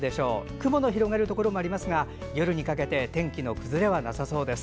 雲の広がるところもありますが夜にかけて天気の崩れはなさそうです。